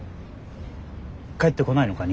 帰ってこないのか？